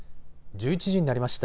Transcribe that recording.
１１時になりました。